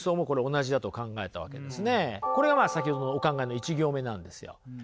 これが先ほどのお考えの１行目なんですよ。